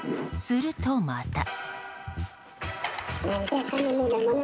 すると、また。